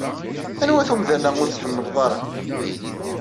Anwa-t umdan-a ur tḥemmleḍ ara?